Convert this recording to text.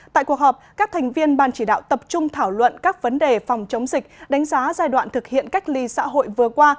tại cuộc họp các thành viên ban chỉ đạo tập trung thảo luận các vấn đề phòng chống dịch đánh giá giai đoạn thực hiện cách ly xã hội vừa qua